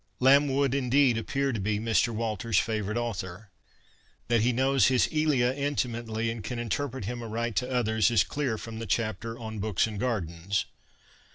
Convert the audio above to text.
Lamb would, indeed, appear to be Mr. Walters's favourite author. That he knows his Elia intimately and can interpret him aright to others is clear from the chapter on ' Books and Gardens.'